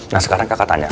nah sekarang kakak tanya